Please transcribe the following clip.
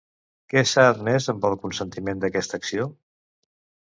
Què s'ha admès amb el consentiment d'aquesta acció?